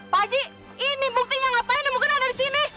pak haji ini buktinya ngapain namun ada di sini